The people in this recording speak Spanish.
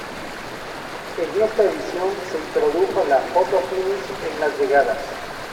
En esta edición se introdujo la fhoto-finísh en las llegadas.